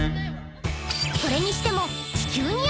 ［それにしても］